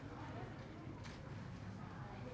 ตอนต่อไป